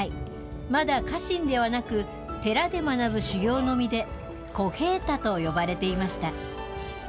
まだ家臣ではなく、寺で学ぶ修行の身で、小平太と呼ばれていました。